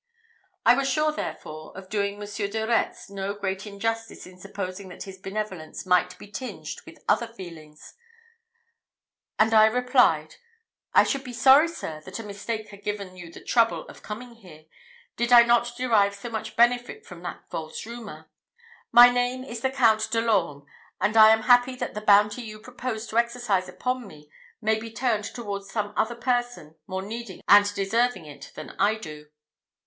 I was very sure, therefore, of doing Monsieur de Retz no great injustice in supposing that his benevolence might be tinged with other feelings; and I replied, "I should be sorry, sir, that a mistake had given you the trouble of coming here, did I not derive so much benefit from that false rumour. My name is the Count de l'Orme, and I am happy that the bounty you proposed to exercise upon me may be turned towards some other person more needing and deserving it than I do."